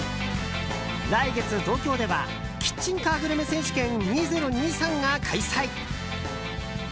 来月、東京ではキッチンカーグルメ選手権２０２３が開催。